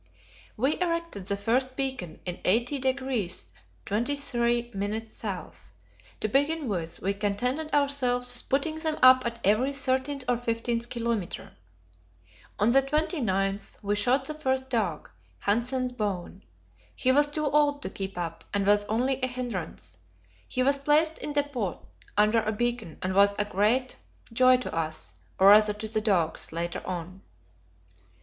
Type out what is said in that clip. We erected the first beacon in 80° 23' S. To begin with, we contented ourselves with putting them up at every thirteenth or fifteenth kilometre. On the 29th we shot the first dog, Hanssen's Bone. He was too old to keep up, and was only a hindrance. He was placed in depot under a beacon, and was a great joy to us or rather to the dogs later on.